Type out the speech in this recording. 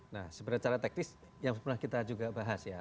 nah sebenarnya secara teknis yang pernah kita juga bahas ya